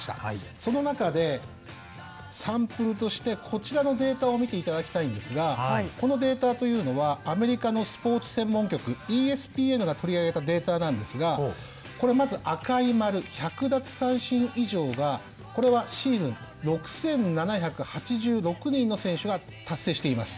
その中でサンプルとしてこちらのデータを見ていただきたいんですがこのデータというのはアメリカのスポーツ専門局ＥＳＰＮが取り上げたデータなんですがこれまず赤い丸１００奪三振以上がこれはシーズン６，７８６人の選手が達成しています。